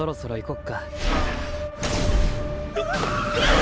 っ！